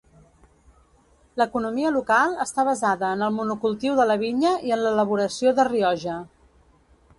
L'economia local està basada en el monocultiu de la vinya i en l'elaboració de Rioja.